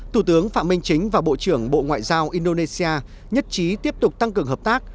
thủ tướng phạm minh chính và bộ trưởng bộ ngoại giao indonesia nhất trí tiếp tục tăng cường hợp tác